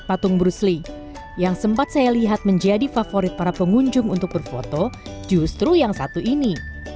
patung brusli yang sempat saya lihat menjadi favorit para pengunjung untuk berfoto justru yang satu ini